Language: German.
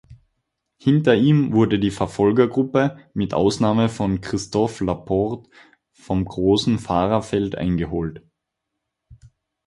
Hinter ihm wurde die Verfolgergruppe mit Ausnahme von Christophe Laporte vom großen Fahrerfeld eingeholt.